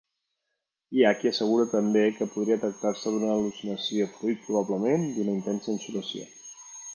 Hi ha qui assegura també que podria tractar-se d'una al·lucinació fruit probablement d'una intensa insolació.